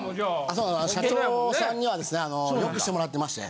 そう社長さんにはですねあのよくしてもらってまして。